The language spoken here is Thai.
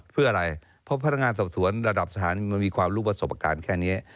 เพื่ออะไรเพราะพนักงานสอบสวนระดับสถานมันมีความรู้ประสบการณ์แค่นี้